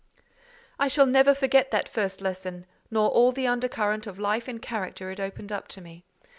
I shall never forget that first lesson, nor all the under current of life and character it opened up to me.